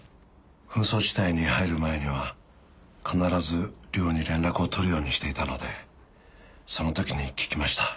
紛争地帯に入る前には必ず涼に連絡を取るようにしていたのでその時に聞きました。